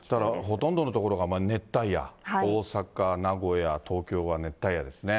ほとんどの所が熱帯夜、大阪、名古屋、東京は熱帯夜ですね。